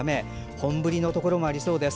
本降りのところもありそうです。